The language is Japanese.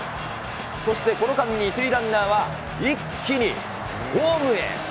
そしてこの間に、１塁ランナーは一気にホームへ。